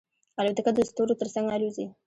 الوتکه د ستورو تر څنګ الوزي.